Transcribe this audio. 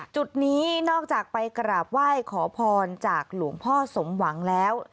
จุดนี้นอกจากไปกราบไหว้ขอพรจากหลวงพ่อสมหวังแล้ว